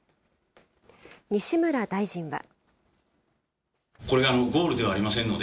西村大臣は。